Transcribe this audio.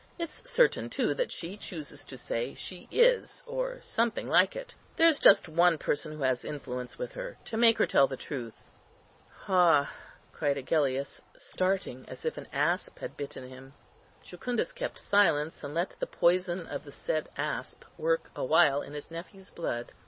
It's certain, too, that she chooses to say she is, or something like it. There's just one person who has influence with her, to make her tell the truth." "Ha!" cried Agellius, starting as if an asp had bitten him. Jucundus kept silence, and let the poison of the said asp work awhile in his nephew's blood.